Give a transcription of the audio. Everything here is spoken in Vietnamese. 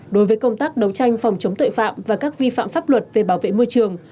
đối với công tác đấu tranh phòng chống tội phạm và các vi phạm pháp luật về bảo vệ môi trường